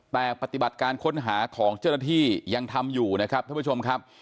แต่ปฏิบัติการค้นหาของเจ้าหน้าที่ยังทำอยู่นะครับท่านผู้ชมครับ